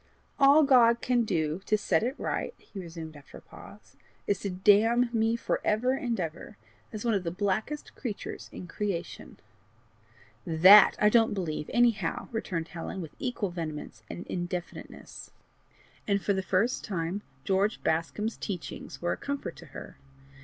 "All God can do to set it right," he resumed, after a pause, "is to damn me for ever and ever, as one of the blackest creatures in creation." "THAT I don't believe, anyhow!" returned Helen with equal vehemence and indefiniteness. And for the first time, George Bascombe's teachings were a comfort to her.